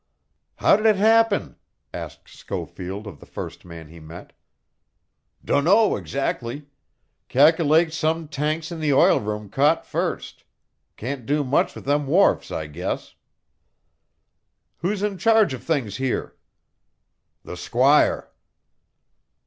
"How'd it happen?" asked Schofield of the first man he met. "Dunno exactly. Cal'late some tanks in the oilroom caught first. Can't do much with them wharfs, I guess." "Who's in charge of things here?" "The squire."